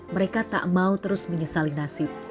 mereka tak mau terus menyesali nasib